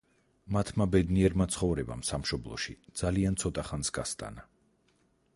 მათმა ბედნიერმა ცხოვრებამ სამშობლოში ძალიან ცოტა ხანს გასტანა.